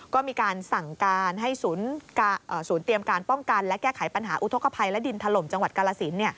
ก็มีการสั่งการให้ศูนย์เตรียมการป้องกันและแก้ไขปัญหาอุทธกภัยและดินถล่มจังหวัดกาลสิน